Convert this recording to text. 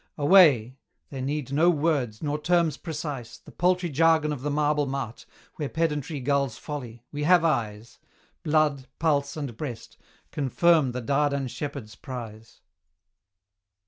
Away! there need no words, nor terms precise, The paltry jargon of the marble mart, Where Pedantry gulls Folly we have eyes: Blood, pulse, and breast, confirm the Dardan Shepherd's prize.